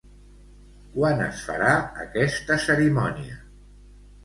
Quan es farà aquesta cerimònia?